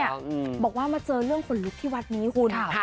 แล้วน้องเนี่ยบอกว่ามาเจอเรื่องขนลุกที่วัดนี้คุณ